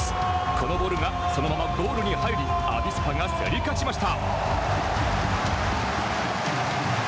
このボールがそのままゴールに入りアビスパが競り勝ちました。